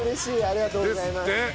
ありがとうございます。